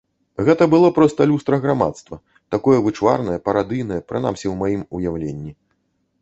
Гэта было проста люстра грамадства, такое вычварнае, парадыйнае, прынамсі, у маім уяўленні.